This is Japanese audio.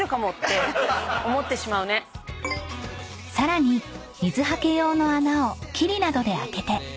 ［さらに水はけ用の穴をきりなどで開けて］